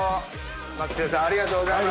松重さんありがとうございます。